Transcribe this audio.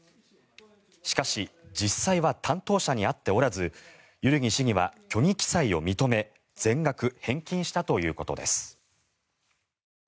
しかし、実際は担当者に会っておらず万木市議は虚偽記載を認め全額返金したということです。